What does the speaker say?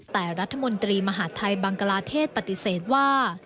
แต่รัฐมนตรีมหาดไทยบังกลาเทศปฏิเสธว่า